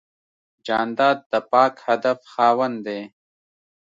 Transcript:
جانداد د پاک هدف خاوند دی.